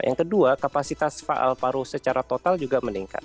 yang kedua kapasitas faal paru secara total juga meningkat